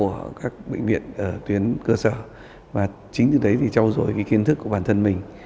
họ sẽ tiếp tục làm nghệ thrin đoàn đã thiết dịch